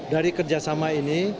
dari kerjasama ini